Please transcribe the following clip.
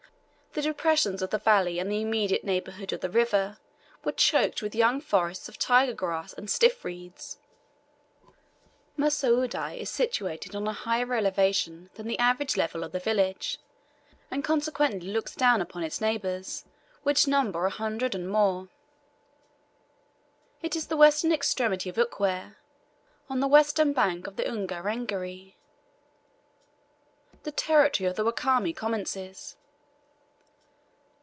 The depressions of the valley and the immediate neighbourhood of the river were choked with young forests of tiger grass and stiff reeds. Mussoudi is situated on a higher elevation than the average level of the village, and consequently looks down upon its neighbours, which number a hundred and more. It is the western extremity of Ukwere. On the western bank of the Ungerengeri the territory of the Wakami commences.